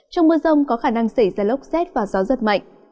trong mưa rông có khả năng xảy ra lốc xét và gió giật mạnh